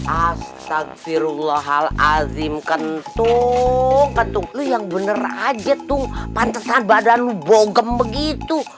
astagfirullahaladzim kentung ketuklu yang bener aja tuh pantesan badanmu bogem begitu